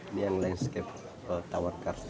ini yang landscape tower cars ini